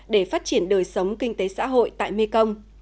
để phát triển đời sống kinh tế xã hội tại mekong